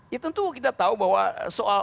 ya tentu kita tahu bahwa soal